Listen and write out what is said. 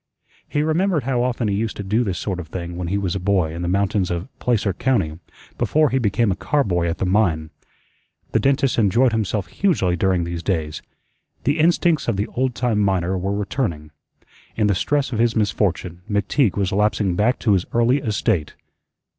He remembered how often he used to do this sort of thing when he was a boy in the mountains of Placer County, before he became a car boy at the mine. The dentist enjoyed himself hugely during these days. The instincts of the old time miner were returning. In the stress of his misfortune McTeague was lapsing back to his early estate.